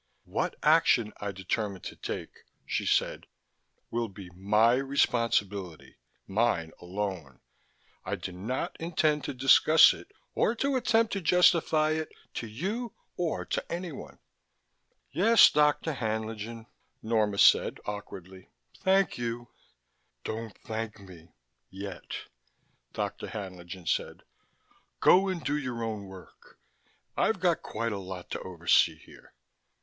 "What action I determine to take," she said, "will be my responsibility. Mine alone. I do not intend to discuss it, or to attempt to justify it, to you or to anyone." "Yes, Dr. Haenlingen." Norma stood awkwardly. "Thank you " "Don't thank me yet," Dr. Haenlingen said. "Go and do your own work. I've got quite a lot to oversee here."